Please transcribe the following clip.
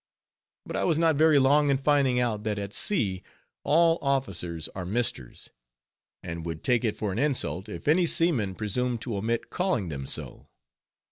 But I was not very long in finding out, that at sea all officers are Misters, and would take it for an insult if any seaman presumed to omit calling them so.